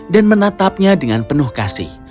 dan menatapnya dengan penuh kasih